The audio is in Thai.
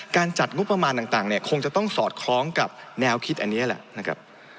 การจัดงบประมาณต่างคงจะต้องสอดคล้องกับแนวคิดอันนี้แหละ